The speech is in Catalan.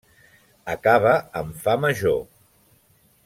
Acaba en fa major.